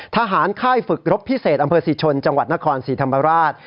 ค่ายฝึกรบพิเศษอำเภอศรีชนจังหวัดนครศรีธรรมราช